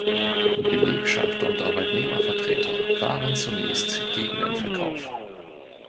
Belegschaft und Arbeitnehmervertreter waren zunächst gegen den Verkauf.